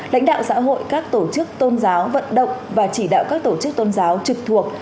lãnh đạo xã hội các tổ chức tôn giáo vận động và chỉ đạo các tổ chức tôn giáo trực thuộc